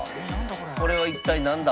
これは一体なんだ？